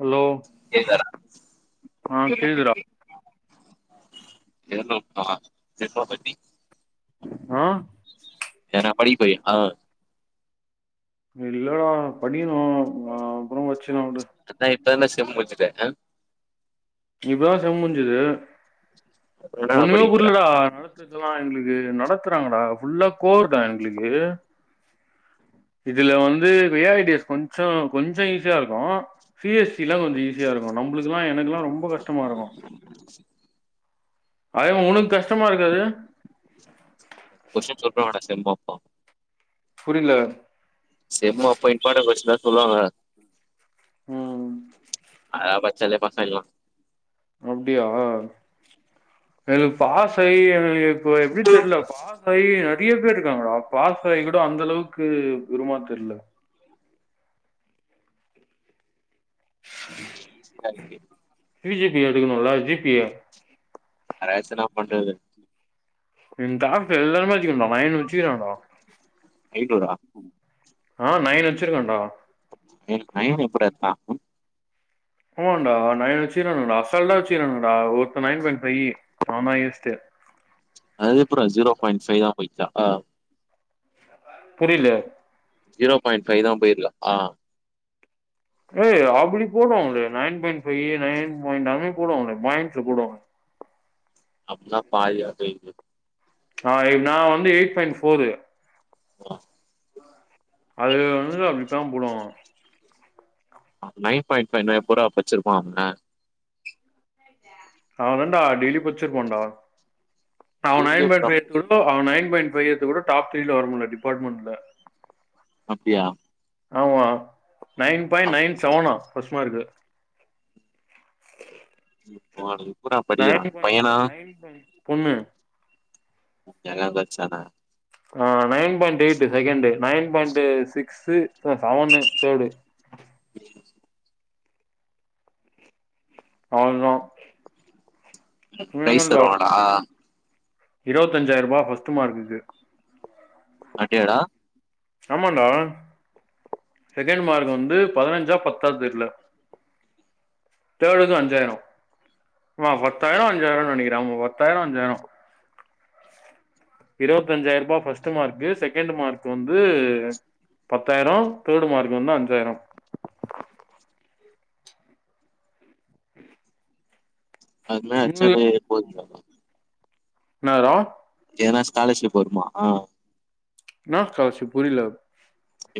Hello கேக்கா ஆ கேக்குதுடா [inaudible] [unintelligible] ஆ ஏனா படி போய் ஆ இல்லடா படிக்கணு ஆ அப்புறோ படிச்சுனா உடு அதா இப்பந்தே சிம் முச்சிட அ இப்பதா செம் முடிஞ்சுது அப்புறம் என்னடா ஒண்ணுமே படிக்க போற புரில டா [unintelligible] எங்களுக்கு நடத்துறாங்கடா புல்லா கோர்டா எங்களுக்கு இதுல வந்து ரியலிட்டிஸ் கொஞ்சோ கொஞ்சோ ஈசியா இருக்கு சி எஸ் சி லா கொஞ்சோ ஈஸியா இருக்கு நம்ப்ளுக்குல்லா எனக்குக்குல்லா ரொம்ப கஷ்டமா இருக்கு உ அய உனக்கு கஷ்டமா இருக்காது கொஷம் [unintelligible] செம் பாப்போ புரில செம் அப்ப இம்பாட்டன் கொஸ்ன்லா சொல்வாங்க ம் அத பச்சாலே பாஸ் ஆய்லா அப்டியா எனக்கு பாசாயி எனக்கு இப்ப எப்டி தெரில பா பாசாயி நெறைய பேர் இருக்காங்கடா பாசாயி கூட அந்த அளவுக்கு பெருமா தெர்ல ஈசிதா இது விஜிபி எடுக்கணுல்ல ஜிபிய அ வச்சு என்னா பண்றது ம் எங் க்ளாஸ்ல எல்லாருமே வச்சிக்கண்டா நைன் வச்சிக்றாண்டா ஐநூறா ஆ நைன் வச்சிருக்காண்டா எ நைன் எப்பிட்றா எட்பா ஆமாண்டா நைன் வச்சிருகானடா அசால்டா வச்சிருகானடா ஒருத்த நைன் பாய்ண் பைய்யி நாந்தா வேஸ்ட்டு அது எப்புர்றா ஜீரோ பாயிண்ட் பைவ் தா போயிட்சா புரியில ஜீரோ பாயிண்ட் ஃபைவ் தா போயிருக்கா ஏய் அப்டி போடுவாங்களே nine point five nine point எல்லாமே போவாங்கலே பாயிண்ட்ல போடுவாங்க அப்புன்னா பாதியா போயிட்ருக்கு ஆ நா வந்து எயிட் பாயிண்ட் ஃபோரு ஓ அதுல வந்து அப்டித்தா போடுவாங்க நைன் பாயிண்ட் ஃபைவ்னா எப்புர்றா பட்ச்சுருப்பா அவே அவன்தான்டா டெய்லியு பட்ச்சுருப்பான்டா அவே டெய்லி நைன் பாயிண்ட் எப்புட்றா ஃபைவ் எடுத் ன்டோ படிக்கிறது அவே நைன் பாயிண்ட் ஃபைவ் எடுத்துக் கூட டாப் த்ரீல வர முடியில டிபார்ட்மெண்ட்ல அப்டியா ஆமா நைன் பாயிண்ட் நைன் செவனா பஸ்ட்டு மார்க்கு மாறுது மேட்ரிமோனியில நைன் பாயிண்ட் பொண்ணு எனக்கு வச்சான்னா ஆ nine point eight second nine point six செ செவனு தேர்டு [unintelligible] அவள்தா ம் ப்ரைஸ் தருவாங்கடா இருவத்தஞ்சாயிர் ரூபா ஃபஸ்ட்டு மார்க்கு அட்டையாடா ஆமாண்டா செகண்ட் மார்க் வந்து பதுனஞ்சா பத்தா தெர்ல தேர்ட்க்கு அஞ்சாயிரோ ஆமா பத்தாயிரோ அஞ்சாயிரோன்னு நெனைக்கிறே அவுங்க பத்தாயிரோ அஞ்சாயிரோ இருவத்தஞ்சாயிர் ரூபாய் ஃபர்ஸ்ட்டு மார்க்கு செகண்ட் மார்க் வந்து பத்தாயிரோ தேர்ட் மார்க் வந்து அஞ்சாயிரோ அதுவுமே அட்ச்சான்டே இது போதுன்டா என்னதுரா எதன்னா ஸ்காலர்ஷிப் வருமா என்ன ஸ்காலர்ஷிப் புரியில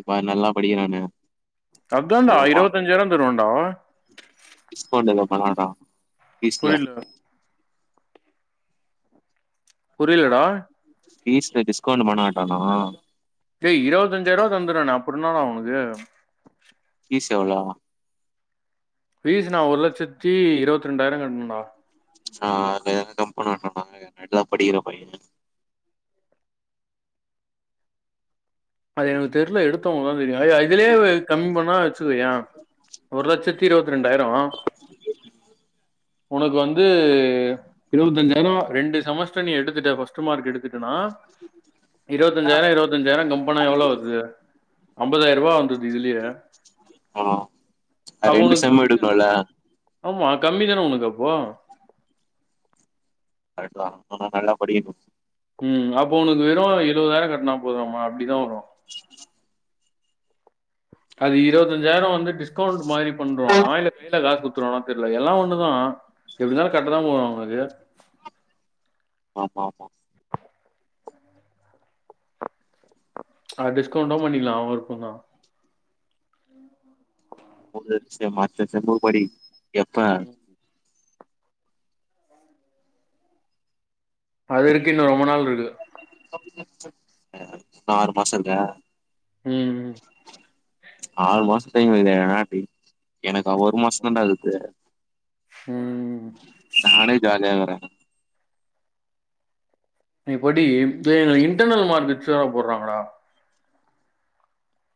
இப்பா நல்லா படிக்கிறானு அதான்டா இருவத்தஞ்சாயிரோ தருவாண்டா டிஸ்கவுண்ட் எதாது பண்ணுவான்டா புரியில புரியிலடா பீஸ்ல டிஸ்கவுண்ட்டு பண்ண மாட்டானா டேய் இருபத்தஞ்சாயிர் ரூபா தந்துர்றானே அப்பறோ என்னடா உனக்கு பீஸ் எவ்ளோ ஃபீஸ் நா ஒரு லட்சத்தி இருவத் ரெண்டாயிரோ கட்டணுன்டா ஆ இத எங்க கம்பன்ன வேண்டான்டா அவே நல்லா படிக்கிற பையே அது எனக்கு தெர்ல எடுத்தவுங்களுக்குதா தெரியு ஏ இதுலயே கம்மி பண்ணா வச்சுக்கோயே ஒரு லட்சத்தி த்தி இருவத் ரெண்டாயிரோ உனக்கு வந்து இருபத்தஞ்சாயிரோ ரெண்டு செமஸ்டர் நீ எடுத்துட்ட ஃபர்ஸ்ட் மார்க் எடுத்துட் டனா இருபத்தஞ்சாயிரோ இருபத்தஞ்சாயிரோ கம் எவ்ளோ வருது ஐம்பதாயிரரூவா வந்துருது இதுலயே ஆ அப்போ ரெண்டு உனக்கு செம் கம்மி தானா எடுக்கணுல்ல ஆமா கம்மி தான உனக்கு அப்போ கரெக்ட் தா ஆனா நல்ல படிக்கணு ம் அப்போ உனக்கு வெறு எழவதாயிரோ கட்னா போதுமா அப்டிதா வரு அது இருவத்தஞ்சாயிரோ வந்து டிஸ்கவுண்ட் மாரி பண்றோனா இல்ல கையில காசு குட்த் குடுத்துருவனா தெர்ல எல்லா ஒண்ணுதா எப்டிந்தாலு கட்டதா போறோ அவுங்களுக்கு ஆமா ஆமா ஆ டிஸ்கவுண்டு பண்ணகிலா அவுங்க விருப்ப தா ம் ம் ஒகே அரிசியம்மா அடுத்த செம்க்கு படி எப்ப ம் அது இருக்கு இன்னு ரொம்ப நாள் இருக்கு ஆறு மாசோ இருக்கா ம் ஆறு மாசோ டைம் இல்லனா எனக்கா ஒரு மாச தாண்டா ஆகுது ம். நானே ஜாலியா இக்கறே நீ படி இப்பயு இன்டர்னல் மார்க்கெட் தேவ பட்றாங்கடா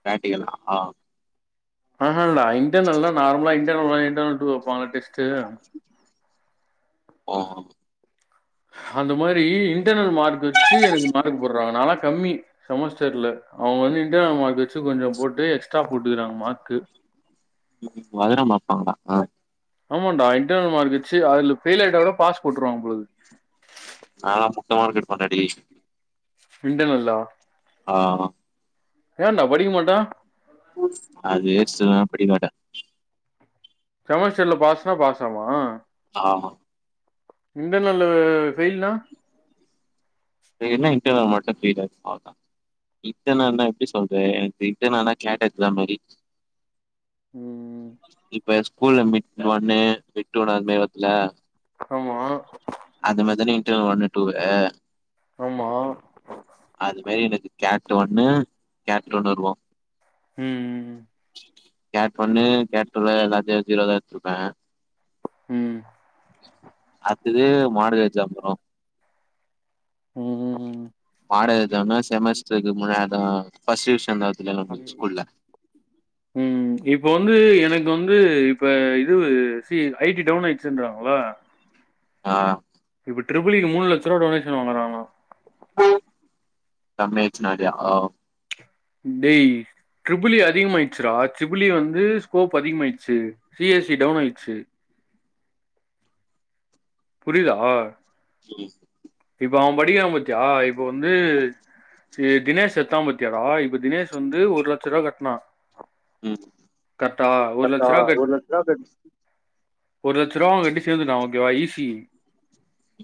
பிராக்ட்டிக்கல் ஆ ஆமாண்டா இன்டர்னல்ல நார்மலா இன்டர்னல் ஒன்னு இன்டர்னல் டூ வெப்பாங்களா டெஸ்ட்டு ஓ அந்த மாரி இன்டர்னல் மார்க் வச்சி எனக்கு மார்க் போட்றாங்க நாலா கம்மி செமஸ்டர்ல அவுங்க வந்து இன்டர்னல் மார்க் வச்சக கொஞ்சோ போட்டு எக்ஸ்ட்ரா போட்டுக்கிறாங்க மார்க்கு வதரம் பாப்பாங் டா ஆ ஆமா டா இன்டர்னல் மார்க் வச்சி அதுல ஃபெயில் ஆய்ட்டா கூட பாஸ் போட்டுருவங்க போல இக்குது நா முட்ட மார்க் எடுப்ப டா டே இண்டன்ர்னல்லா ஆ ஏன்டா படிக்கமாட்டா அதே சில் நேரோ படிக்க மாட்ட செமஸ்டர்ல பாஸ்னா பாசாமா ஆமா இன்டர்நல்லு ஃபெயில்னா என்ன இன்டர்னல் மார்க்கு கேட்டாச்சி அவ்ளதா இட்டர்னல் னா எப்டி சொல்றே எனக்கு இட்டர்னல்னா கேட் எக்ஸாம் மாரி ம், இப்ப ஸ்கூல்ல மிட் ஒண்ணு மிட் டூ னு அந்த மாரி வர்த்துல ஆமா அது மாதிரி டூ ஒண்ணு டூ வு ஆமா அது மாரி எனக்கு கேட் ஒன்னு கேட்டு டூ னு வருவோ ம் கேட் ஒன்னு கேட் டூல ஏதாச்சு வச்சு விளையாடிட்ருப்ப ம் அட்த்தது மாடல் எக்ஸாம் வரு ம் ம் ம் பாட எக்ஸாமு செமஸ்டருக்கு முன்னாடிதா வாங்கன ஃபர்ஸ்ட் விஷ்யந்தா பனி விழுத் ம் இப்போ வந்து எனக்கு வந்து இப்போ இது சி ஐ டி டவுன் ஆயிடுச்சுன்றாங்ள ஆ இப்ப ட்ரிபிள் ஈ க்கு மூணு லட்சோரூவா டொனேஷன் வாங்குறாங்ளா தம்யெச் நெறையா அ டேய் ட்ரிபி ஈ அதிகமா ஆயிடுச்சிரா ட்ரிபி ஈ வந்து ஸ்கோப் அதிகமா ஆயிடுச்சு சி எஸ் சி டவுன் ஆயிடுச்சு புரிதா ம் இப்ப அவன் படிக்கிறா பாத்தியா இப்ப வந்து தினேஷ் எத்தாபாத்தியடா இப்ப தினேஷ் வந்து ஒரு லட்சோரூபா கட்னா ம் கரெட்டா ஒரு லட்சோரூபா கட் லாப்ரெண்ஸ் ஒரு லட்சோ ரூபா அவன் கட்டி சேந்துட்டா ஓகேவா ஈ சி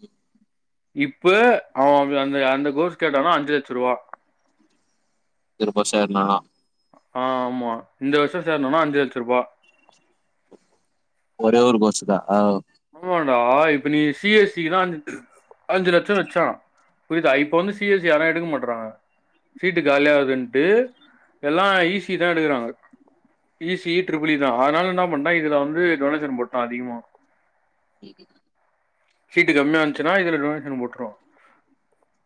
ம் இப்ப அவன் அந்த அந்த கோர்ஸ் கேட்டனா அஞ்சு லட்சோ ரூவா திரும்ப சேர்ன்னா ஆ ஆமா இந்த வருஷோ சேரணுனா அஞ்சு லட்சோ ரூபா ஒரே ஒரு கோர்ஸ்சுதா ஆ ஆமாடா இப்ப நீ சி எஸ் சின்னா அஞ்ச அஞ்சு லட்சோ வச்சா புரிதா இப்ப வந்து சி எஸ் சி யார்னா எடுக்க மாட்டறாங்க சீட்டு காலியா ஆகுதுன்ட்டு எல்லா ஈ சி தா எடுக்குறாங்க ஈ சி ட்ரிபிள் ஈ தா அதனால என்ன பண்ட்டா இதுல வந்து டொனேஷன் போட்டா அதிகமா [unintelligible] சீட்டு கம்மியா இருச்சுன்னா இதுல டொனேஷன் போட்ருவா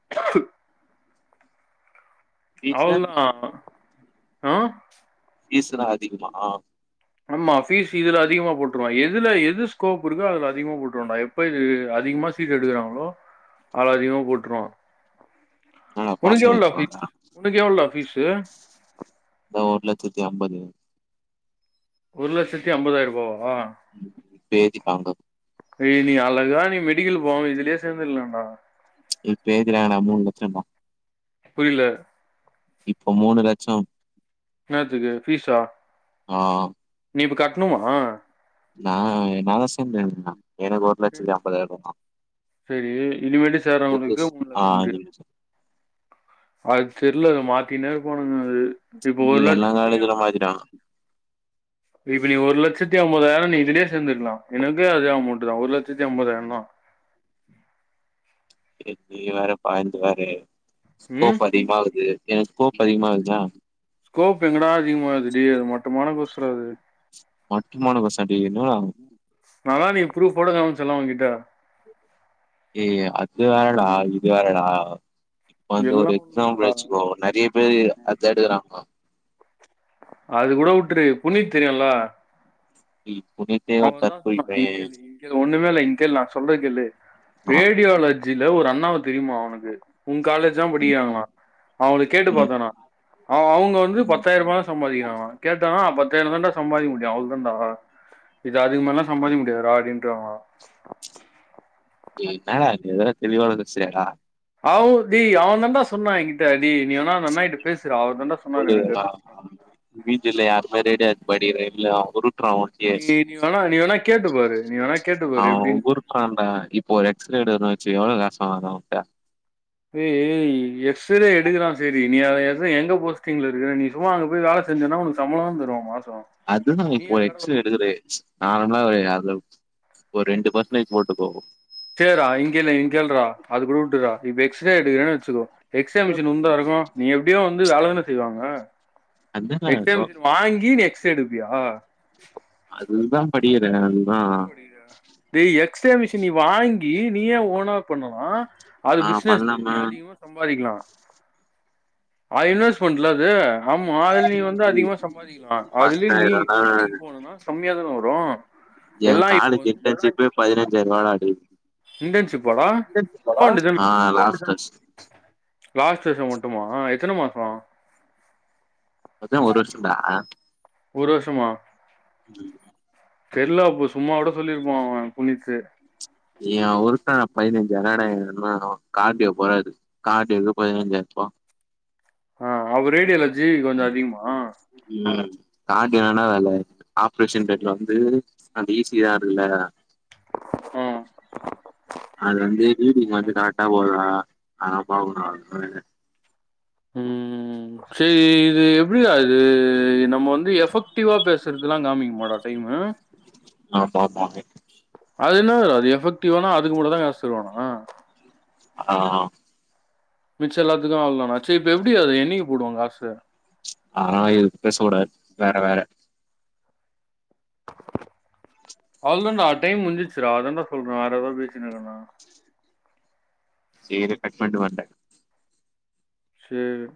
[unintelligible] ஃபீஸ்னா அவ்ள் தா அ பீஸ் இன்னா அதிகமா ஆம்மா ஃபீஸ் இதுல அதிகமா போட்டுருவா எதுல எது ஸ்கோப் இருக்கோ அதுல அதிகமா போட்ருவோடா இப்ப இது அதிகமா சீட் எடுக்குறாங்களோ அதுல அதிகமா போட்ருவா என்னடா உனக்கு பாஷன் எவ்ளோடா பீஸு ஏத்திப்பாங்க உனக்கு எவ்ளோடா பீஸு தா ஒரு லட்சத்து அம்பது ஒரு லட்சத்தி அம்பதாயிரோரூபாவா பேதி பாங்கௌ டேய் நீ அழகா நீ மெடிக்கல் போவாம இதுலியே சேந்துரலான்டா இப்ப எதுக்குடா நா மூணு லட்சோடா புரில இப்போ மூணு லட்சோ என்னாத்துக்கு பீஸ்சா ஆ நீ இப்ப கட்ணுமா நா தா அசைமெண் எழுதனே எனக்கு ஒரு லட்சத்து அம்பதாயிரோதா சேரி இனிமேட்டு சேர்ரவங்களுக்கு புதுசு பூண் ஆ லட்சோன்றியா அஞ்சு லட்சம். அது தெரில மாத்தினே இருப்பானுங்க அது இப்ப நீ ஒரு எல்லா லட்சத்தியு காலேஜ்ல [inaudible] இப்ப நீ ஒரு லட்சத்தி ஐம்பதாயிரோ நீ இதுலேயோ சேந்துருக்கலா எனக்கு அதே அமௌண்ட் தா ஒரு லட்சத்தி ஐம்பதாயிர தா எ நீ வேற பாயஞ்ஜாரே ம் ஸ்கோப் அதிகமாகுது எனக்கு ஸ்கோப் அதிகமாகுதுதா கோப்பு எங்கடா அதிகமாது டேய் அது மட்டமான கோர்ஸுடா அது மட்டமான கோர்ஸ டேய் என்னடா நா தா அண்னைக்கு ப்ரூப் போட கமிச்செல்லா உங்கிட்ட ஏ அது வேறடா இது வேறடா இப்ப வந்து ஒரு எல்லாம் எக்ஸாம்பிள் உண்மடா வச்சுக்கே நெறைய பேரு அத எடுக்குறாங்கோ அது கூட வுட்டுரு புனித் தெரியுலா எ புனித்தே ஓரு தற்குறி பயே கேளு ஒண்ணுமே இல்ல இங் கேளு நா சொல்றது கேள்ளு ஆமா. ரேடியோலஜில ஒரு அண்ணாவ தெரியுமா அவனுக்கு உங் காலேஜ்தா படிக்கிறாங்களா அவுங்கள கேட்டு ம் பாத்தா நா அவ அவுங்க வந்து பத்தாயிர ரூபா தா சம்பாதிக்கிறாங்களா கேட்டானா பத்தாயிர தான்டா சம்பாதிக்க முடியு அவ்ளோதாண்ட இது அதுக்கு மேலா சம்பாதிக்க முடியாதுடா அப்டின்றங்களா எ இன்னடா இது தெளிவா வந்துச்சேட்ட அவ் டே அவ தண்டா சொன்னா எங்கிட்ட டே நீனா வேணா அந்த அண்ணாகிட்ட பேசுற அவுர்தன்ட புரிதுங்ளா ஆ‌ வீட்டில யாருமே ரேடியா வச்சி படிகிதே இல்ல அவ உருட்டுற உரு நீ நீ வேணா நீ வேணா கேட்டு பாரு நீ வேணா கேட்டு பாரு எப்டின்னு ஆ டா இப்போ ஒரு எக்ஸ்ரே எடுக்குறோ வச்சுக எவ்ளோ காசு வாங்கலா அவுட்ட டோ எக்ஸ்ரே எடுக்கிறா செரி நீ [unintelligible] எங்க போஸ்டிங்கில இருக்கிற நீ சும்மா அங்க போய் வேல செய் செஞ்சன்னா உனக்கு சம்பளம்தா தருவங்க மாசோ அதுதா இப்போ எக்ஸ்ரே எடுக்குறே [unintelligible] நார்மலா ஒரு அதுல ஒரு ரெண்டு பர்சன்டேஜ் போட்டுகோ சேரா இங்கனோ கேளுறா அது கூட விட்டுறா இப்பே எக்ஸே எடுக்குறேன்னு வச்சுக்கோ எக்ஸ்ரே மிஷின் உன்தா இருக்கு நீ எப்டியோ வந்து வேலதான செய்வாங்க அதுதான எக்ஸ்ரே மிஷின் வாங்கி நீ எக்ஸ்ரே எடுப்பியா அதுகுதா படிகிறே நானு என்ன படிக்கிற டோ எக்ஸ்ரே மிஷின் நீ வாங்கி நீயே ஓன்ன பண்ணன அது நா பிசினஸ்ஸு நீ பண்ணாம அதிகமா சம்பாதிக்கலா [unintelligible] இன்வெஸ்மென்ட்டுல அது ஆமா அதுல நீ வந்து அதிகமா சம்பாதிக்கலா அதுலயு நீ பத்தாயிரம்னா வேலைக்கு போணுன கம்மியாதானே வரு என் காலஜ் இடர்ன் சிப்பே பதினஞ்சாயிறாருபாடா டே இன்டர்ன்ஷிப்பாட ஆ லாஸ்ட் [unintelligible] லாஸ்ட் வர்ஷோ மட்டுமா எத்தன மாசோ பத்தின ஒரு வர்ஷோ டா ஒரு வர்ஷமா ம் தெர்ல அப்போ சும்மா கூட சொல்லியிருப்பா அவ புனித்து எ அவுருக்கு அதா பதினஞ்சாயிறாடே என்ன அவ கார்டியோ போறாரு கார்டியோக்கு பதினஞ்சாயிரபா அ அவ ரேடியாலஜி கொஞ்சோ அதிகமா ம் கார்டியானா என்ன வேல ஆப்ரேஷன் தேட்டர்ல வந்து அந்த ஈ சி ஆருல ம் அது வந்து ரீடிங் வந்து கரெக்டா ஓடுதா அதல்லா பாக்குனு அதுமட்டு தா வேல ம் செரி இது எப் டி அது நம்ம வந்து எஃபெக்டிவா பேசுறதுல்லா காமிக்குமாடா டைமு ஆமாமா அது என்ன அது எஃபெக்டிவானா அதுக்கு மட்டு தா காஸ் தருவானா அ ஆ மிச்ச எல்லாத்துக்கு அவ்ள்தானா சே இப்ப எப்டி அது என்னக்கி போடுவா காசு ஆ இது பேச கூடாது வேற வேற அவுள் தான்டா டைம் முஞ்சுச்சுறா அதான்டா சொல்றெ வேற எதா பேசினுக்குறேன் டா சேரி கட் பண்ட்டு பண்றே சேரி